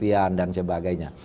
duktian dan sebagainya